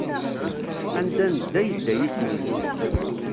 Anda nedda yedda yisem-im.